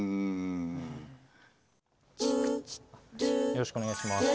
よろしくお願いします。